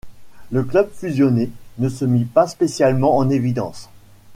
Le club fusionné ne se mit pas spécialement en évidence.